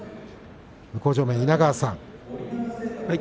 向正面の稲川さん